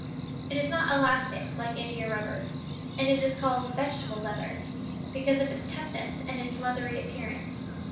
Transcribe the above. It is not elastic, like India rubber, and is called 'vegetable leather' because of its toughness and leathery appearance.